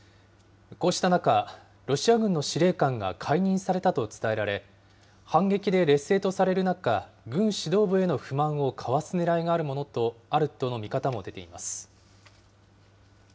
こうした中、ロシア軍の司令官が解任されたと伝えられ、反撃で劣勢とされる中、軍指導部への不満をかわすねらいがあるとの見方も出ています。